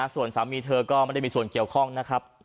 ส่วนสามีเธอก็ไม่ได้มีส่วนเกี่ยวข้องนะครับ